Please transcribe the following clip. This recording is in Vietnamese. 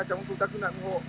trong công tác cứu hộ